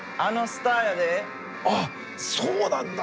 あっそうなんだ。